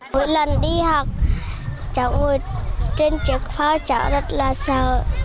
mỗi lần đi học cháu ngồi trên chiếc phao cháu rất là sợ